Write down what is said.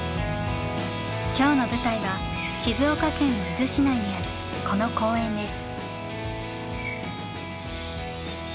今日の舞台は静岡県の伊豆市内にあるこの公園です。